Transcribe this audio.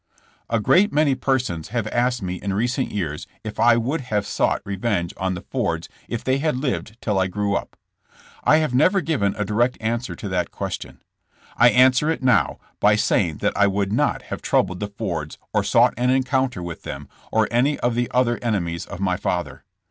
A great many persons have asked me in recent years if I would have sought revenge on the Fords if they had lived till I grew up. I have never given a direct answer to that question. I answer it now by saying that I would not have troubled the Fords or sought an encounter with them or any of the other enemies of my father.